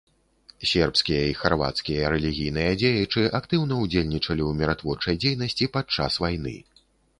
Сербскія і харвацкія рэлігійныя дзеячы актыўна ўдзельнічалі ў міратворчай дзейнасці падчас вайны.